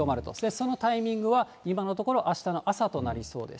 そのタイミングは、今のところあしたの朝となりそうです。